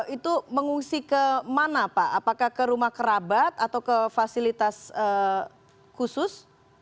itu mengungsi kemana pak apakah ke rumah kerabat atau ke fasilitas khusus